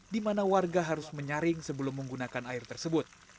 di mana warga harus menyaring sebelum menggunakan air tersebut